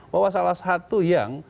bahwa salah satu yang